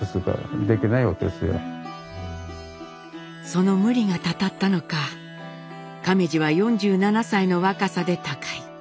その無理がたたったのか亀次は４７歳の若さで他界。